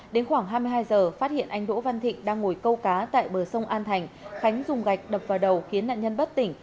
đến khoảng hai mươi hai giờ phát hiện anh đỗ văn thịnh đang ngồi câu cá tại bờ sông an thành khánh dùng gạch đập vào đầu khiến nạn nhân bất tỉnh